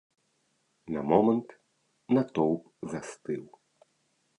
На момант натоўп застыў.